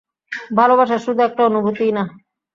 ভালোবাসা শুধু একটা অনুভূতিই না।